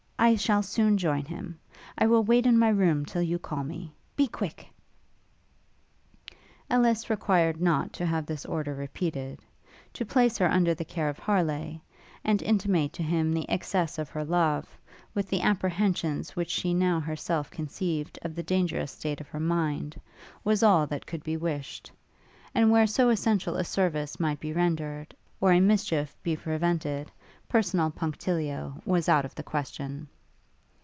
I shall soon join him. I will wait in my room till you call me. Be quick!' Ellis required not to have this order repeated: to place her under the care of Harleigh, and intimate to him the excess of her love, with the apprehensions which she now herself conceived of the dangerous state of her mind, was all that could be wished; and where so essential a service might be rendered, or a mischief be prevented, personal punctilio was out of the question.